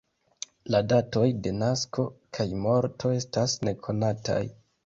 La datoj de nasko kaj morto estas nekonataj.